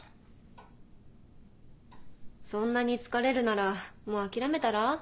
そんなに疲れるならもう諦めたら？